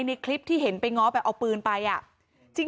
ในคลิปที่เห็นไปง้อไปเอาปืนไปอ่ะ